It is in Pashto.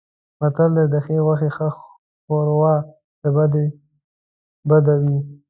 متل دی: د ښې غوښې ښه شوروا د بدې بده وي.